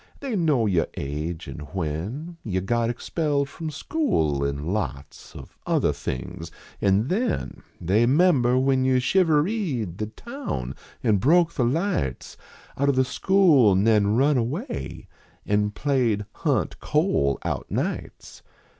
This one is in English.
They know your age, and when Von got expelled from school, and lots Of other things, an then They member when 3 011 shivereed The town an broke the lights (hit of the school nen run away An played " Hunt Cole " out nights.